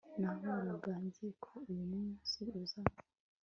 Nahoraga nzi ko uyumunsi uza